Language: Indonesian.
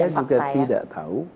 dan saya juga tidak tahu